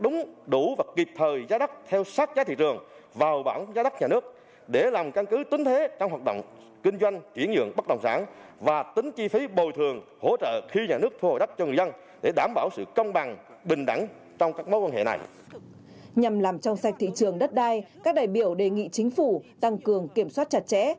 nhằm làm trong sạch thị trường đất đai các đại biểu đề nghị chính phủ tăng cường kiểm soát chặt chẽ